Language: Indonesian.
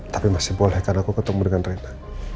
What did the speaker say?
tapi masih boleh kan aku ketemu dengan reina